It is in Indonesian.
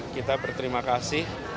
kita berterima kasih